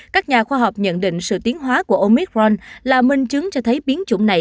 các nhà khoa học nhận định sự tiến hóa của omicron là minh chứng cho thấy biến chủng này